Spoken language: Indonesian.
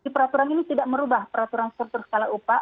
peraturan ini tidak merubah peraturan struktur skala upah